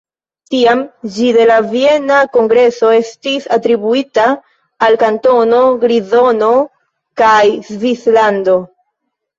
Tiam ĝi de la Viena Kongreso estis atribuita al Kantono Grizono kaj Svislando.